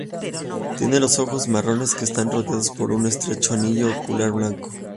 Tiene los ojos marrones, que están rodeados por un estrecho anillo ocular blanco.